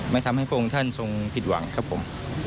ไม่ทำให้พวกคุณท่านทรงผิดหวังครับผม